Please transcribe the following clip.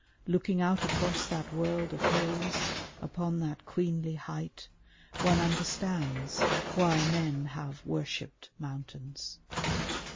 Looking out across that world of hills upon that queenly height one understands why men have worshipped mountains.